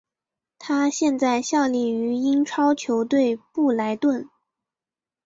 他现在效力于英超球队布莱顿。